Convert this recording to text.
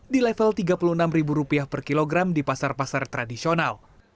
di level rp tiga puluh enam per kilogram di pasar pasar tradisional